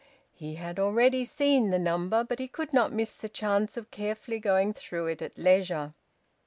He had already seen the number, but he could not miss the chance of carefully going through it at leisure.